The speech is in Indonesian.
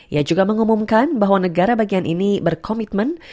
ia juga mengumumkan bahwa negara bagian ini berkomitmen